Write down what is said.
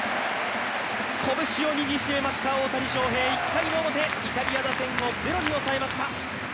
拳を握りしめました大谷翔平、１回表イタリア打線を０に抑えました。